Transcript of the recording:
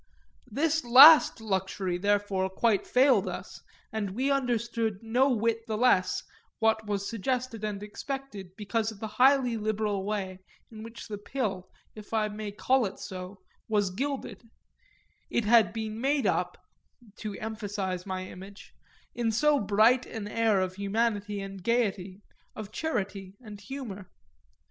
This last luxury therefore quite failed us, and we understood no whit the less what was suggested and expected because of the highly liberal way in which the pill, if I may call it so, was gilded: it had been made up to emphasise my image in so bright an air of humanity and gaiety, of charity and humour.